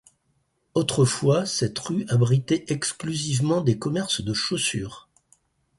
Autrefois, cette rue abritait exclusivement des commerces de chaussure.